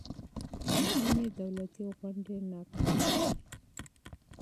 ځینې دولتي پروګرامونه ناکام دي.